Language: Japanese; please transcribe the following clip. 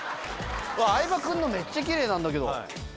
相葉君のめっちゃキレイなんだけど。